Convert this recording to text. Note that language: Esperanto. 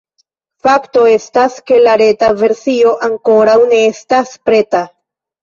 Fakto estas, ke la reta versio ankoraŭ ne estas preta.